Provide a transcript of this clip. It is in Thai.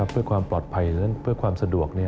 เพื่อความปลอดภัยเพื่อความสะดวก